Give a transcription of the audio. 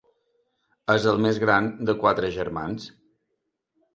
És la més gran de quatre germans.